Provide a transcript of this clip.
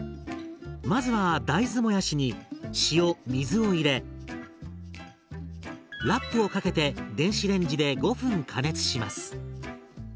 まずは大豆もやしに塩水を入れラップをかけて電子レンジで５分加熱します。